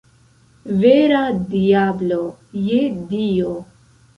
Vera diablo, je Dio!